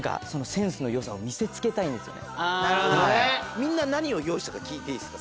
みんな何を用意したか聞いていいですか？